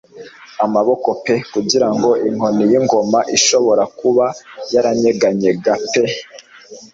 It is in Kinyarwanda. Amaboko pe kugirango inkoni yingoma ishobora kuba yaranyeganyega pe